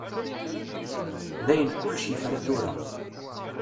Dayen kullec yefra tura.